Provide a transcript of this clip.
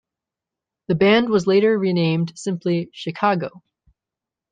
The band was later renamed simply Chicago.